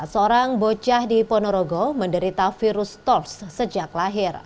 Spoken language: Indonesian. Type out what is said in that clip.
seorang bocah di ponorogo menderita virus tors sejak lahir